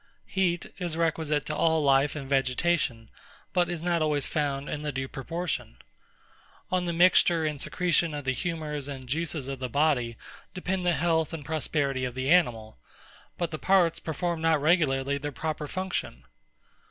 Heat is requisite to all life and vegetation; but is not always found in the due proportion. On the mixture and secretion of the humours and juices of the body depend the health and prosperity of the animal: but the parts perform not regularly their proper function.